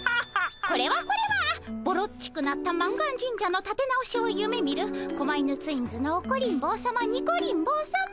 これはこれはぼろっちくなった満願神社のたて直しを夢みる狛犬ツインズのオコリン坊さまニコリン坊さま。